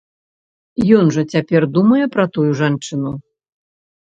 Ён жа цяпер думае пра тую жанчыну!